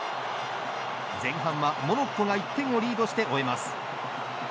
前半はモロッコが１点をリードして終えます。